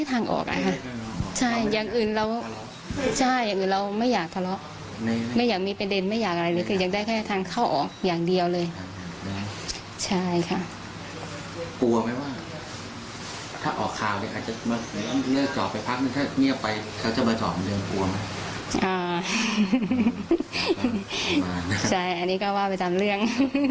ใช่อันนี้ก็ว่าไปตามเรื่อง